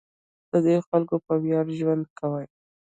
د دوی خلک په ویاړ ژوند کوي.